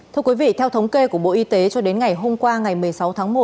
thưa quý vị theo thống kê của bộ y tế cho đến ngày hôm qua ngày một mươi sáu tháng một